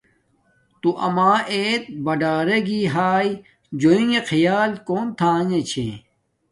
توما ایت پیے باڈارگی ہاݵ جوینݣ خیال کون تھنݣ چھیے۔